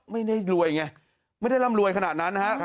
ไม่ได้รวยไงไม่ได้ร่ำรวยขนาดนั้นนะฮะ